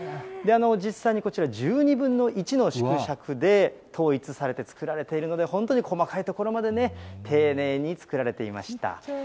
実際にこちら、１２分の１の縮尺で統一されて作られているので、本当に細かいところまで丁寧に作られていました。